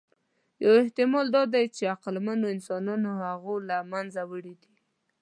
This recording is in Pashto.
یو احتمال دا دی، چې عقلمنو انسانانو هغوی له منځه وړي دي.